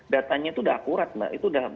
datanya itu sudah akurat mbak itu sudah